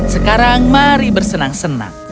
sekarang mari bersenang senang